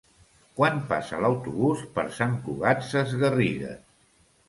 Quan passa l'autobús per Sant Cugat Sesgarrigues?